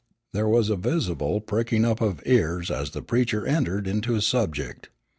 There was a visible pricking up of ears as the preacher entered into his subject.